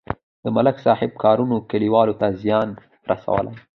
د ملک صاحب کارونو کلیوالو ته زیان رسولی.